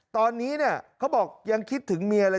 ตอนนี้เนี่ยเขาบอกยังคิดถึงเมียเลย